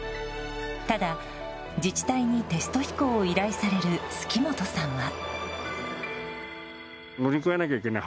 ただ自治体にテスト飛行を依頼される鋤本さんは。